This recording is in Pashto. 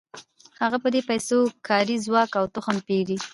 هغه په دې پیسو کاري ځواک او تخم پېري